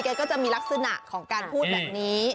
ก็จะมีลักษณะของการพูดแบบนี้